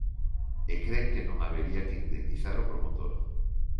E cren que non habería que indemnizar o promotor.